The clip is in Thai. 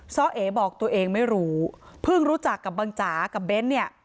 ซ้อเอ๋บอกตัวเองไม่รู้เพิ่งรู้จักกับบังจ๋ากับเบ้นเนี่ย